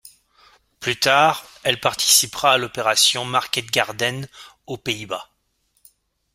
Plus tard, elle participera à l'opération Market Garden aux Pays-Bas.